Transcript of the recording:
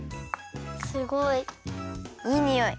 すごい！